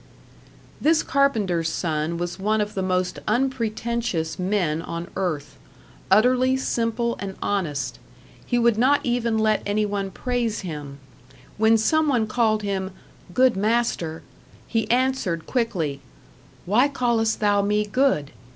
This carpenter's son was one of the most unpretentious men on earth; utterly simple and honest he would not even let anyone praise him. When some one called him "good Master," he answered, quickly, "Why callest thou me good?